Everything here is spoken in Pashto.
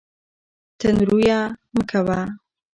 تند رویه مه کوئ.